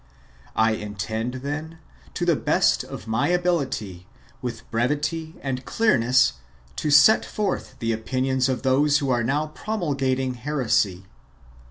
I intend, then, to the best of my ability, with brevity and clearness to set forth the opinions of those who are now promulgating heresy.